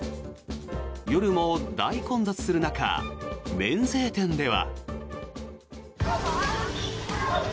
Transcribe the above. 夜も大混雑する中免税店では。